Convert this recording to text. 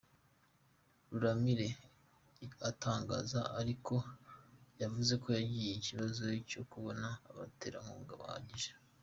Ruramire atangaza ariko, yavuze ko yagize ikibazo cyo kubona abaterankunga bahagije.